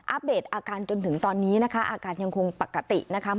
เดตอาการจนถึงตอนนี้นะคะอาการยังคงปกตินะคะ